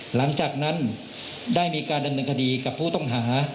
หลังจากนั้นได้มีการดำเนินคดีกับผู้ต้องหา